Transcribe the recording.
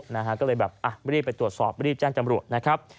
นะฮะก็เลยแบบอ่ะรีบไปตรวจสอบรีบแจ้งจำรวจนะครับ